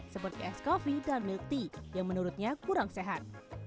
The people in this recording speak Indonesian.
seperti es coffee dan milk tea yang menurutnya kurang sehat